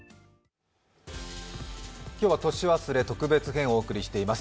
今日は「年忘れ特別編」をお送りしております。